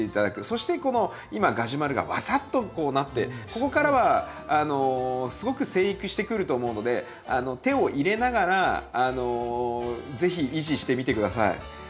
そしてこの今ガジュマルがわさっとこうなってここからはすごく生育してくると思うので手を入れながらぜひ維持してみてください。